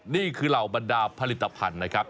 เหล่าบรรดาผลิตภัณฑ์นะครับ